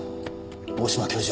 大島教授